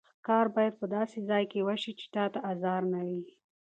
ښکار باید په داسې ځای کې وشي چې چا ته ازار نه وي.